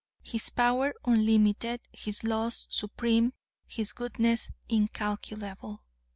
His power unlimited; His laws supreme; His goodness incalculable.